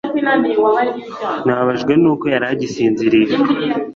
Nababajwe nuko yari agisinziriye